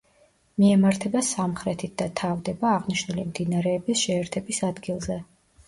მიემართება სამხრეთით და თავდება აღნიშნული მდინარეების შეერთების ადგილზე.